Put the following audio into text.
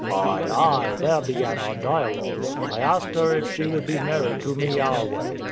W.A. Ay, ay, there began our dialogue. I asked her if she would be married to me our way.